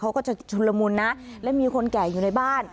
เขาก็จะชุนละมุนนะและมีคนแก่อยู่ในบ้าน